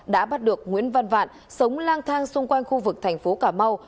đã bắt được nguyễn văn vạn sống lang thang xung quanh khu vực thành phố cà mau